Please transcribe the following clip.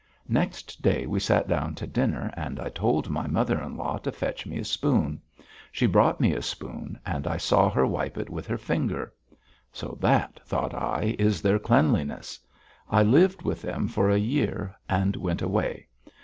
Next day we sat down to dinner and I told my mother in law to fetch me a spoon. She brought me a spoon and I saw her wipe it with her finger. So that, thought I, is their cleanliness! I lived with them for a year and went away.